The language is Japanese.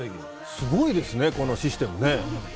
すごいですね、このシステム。